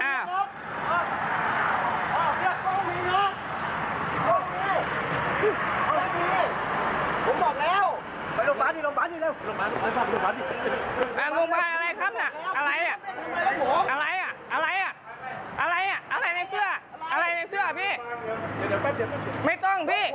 แล้วเดี๋ยวเล่าความคลิปกันก่อน